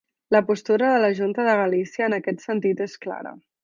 La postura de la Junta de Galícia en aquest sentit és clara.